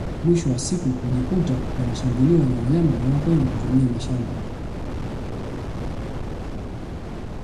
Mwisho wa siku hujikuta wanashambuliwa na wanyama wanaokwenda kuvamia mashamba